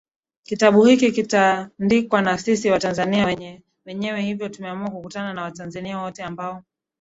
Kitabu hiki kitandikwa na sisi Watanzania wenyewe hivyo tumeamua kukutana na Watanzania wote ambao